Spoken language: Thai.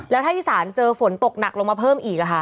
แล้วถ้าอีสานเจอฝนตกหนักลงมาเพิ่มอีก